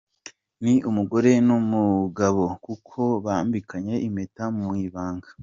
Ni umugore n’umugabo kuko bambikanye impeta mu ibanga.